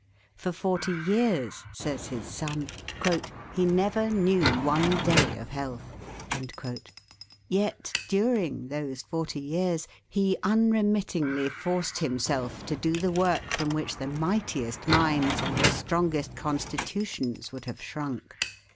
"For forty years," says his son, "he never knew one day of health;" yet during those forty years he unremittingly forced himself to do the work from which the mightiest minds and the strongest constitutions would have shrunk.